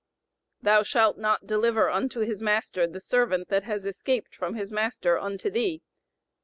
"Thou shalt not deliver unto his master the servant that has escaped from his master unto thee."